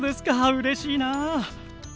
うれしいな。